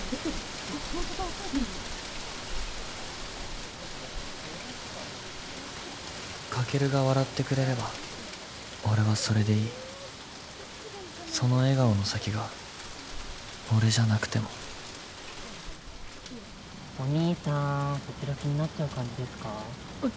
あっホントだ書いてあるカケルが笑ってくれれば俺はそれでいいその笑顔の先が俺じゃなくてもお兄さんそちら気になっちゃう感じですか？